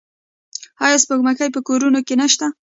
آیا سپوږمکۍ په کورونو کې نشته؟